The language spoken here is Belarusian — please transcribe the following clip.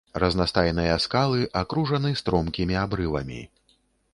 Разнастайныя скалы акружаны стромкімі абрывамі.